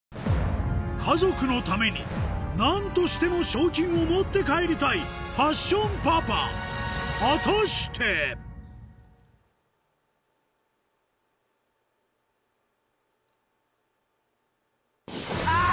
家族のために何としても賞金を持って帰りたいパッションパパ果たして⁉あぁ！